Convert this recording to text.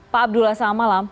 pak abdullah selamat malam